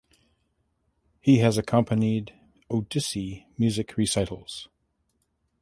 He has accompanied Odissi music recitals.